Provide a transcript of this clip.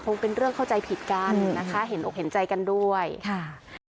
คงเป็นเรื่องเข้าใจผิดกันนะคะเห็นอกเห็นใจกันด้วยค่ะ